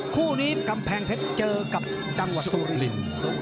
คู่นี้กำแพงเพชรเจอกับจังหวัดสุรินทร์